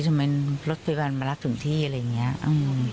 ทำไมรถพยาบาลมารับถึงที่อะไรอย่างนี้